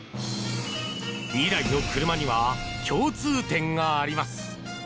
２台の車には共通点があります。